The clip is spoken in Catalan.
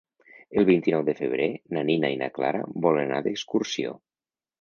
El vint-i-nou de febrer na Nina i na Clara volen anar d'excursió.